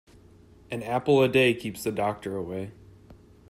An apple a day keeps the doctor away.